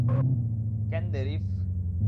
Can দে, reef.